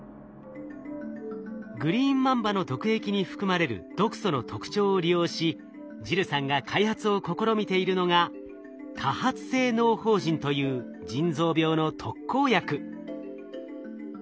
グリーンマンバの毒液に含まれる毒素の特徴を利用しジルさんが開発を試みているのがという腎臓病の特効薬。